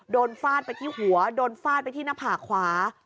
ฟาดไปที่หัวโดนฟาดไปที่หน้าผากขวา